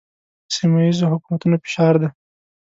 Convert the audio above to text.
سیمه ییزو حکومتونو فشار دی.